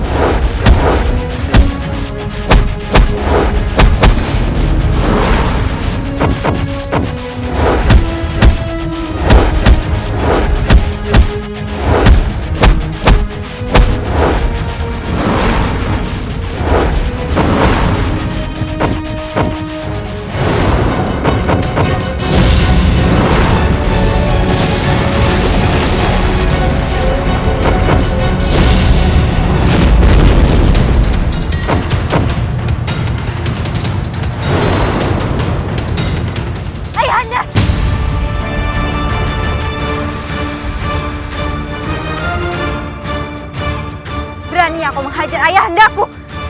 berani aku menghajar ayah anda aku